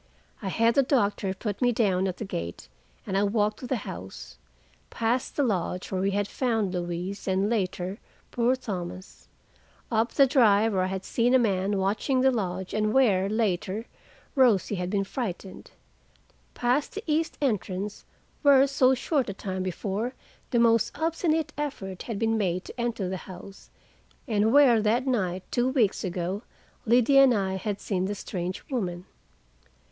I had the doctor put me down at the gate, and I walked to the house—past the lodge where we had found Louise, and, later, poor Thomas; up the drive where I had seen a man watching the lodge and where, later, Rosie had been frightened; past the east entrance, where so short a time before the most obstinate effort had been made to enter the house, and where, that night two weeks ago, Liddy and I had seen the strange woman.